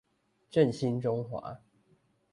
振興中華